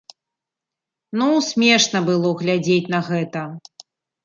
Ну смешна было глядзець на гэта.